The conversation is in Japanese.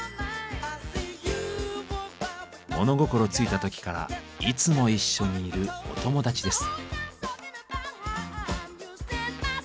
物心ついた時からいつも一緒にいるお友達です。